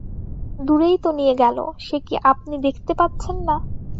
দূরেই তো নিয়ে গেল, সে কি আপনি দেখতে পাচ্ছেন না?